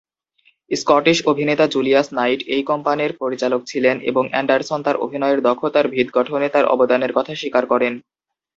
Scottish অভিনেতা Julius Knight এই কোম্পানির পরিচালক ছিলেন এবং অ্যান্ডারসন তার অভিনয়ের দক্ষতার ভিত গঠনে তার অবদানের কথা স্বীকার করেন।